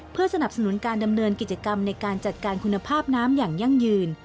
เพื่อสนับสนุนการดำเนินกิจกรรมในการจัดการคุณภาพน้ำอย่างยั่งยืน